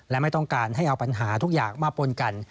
และไม่ต้องการให้เอาปัญหาทุกอย่างมาปนกัน